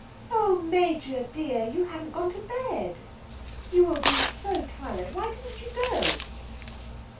"Oh, Major dear, you haven't gone to bed! You will be so tired! Why didn't you go?"